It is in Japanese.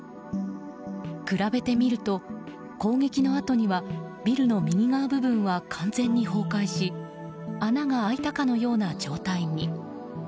比べてみると、攻撃のあとにはビルの右側部分は完全に崩壊し穴が開いたかのような状態に。